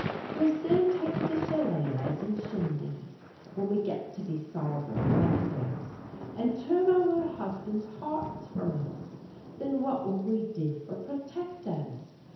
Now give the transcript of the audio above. We'll soon tak' to shillalahs and shindies Whin we get to be sovereign electors, And turn all our husbands' hearts from us, Thin what will we do for protectors?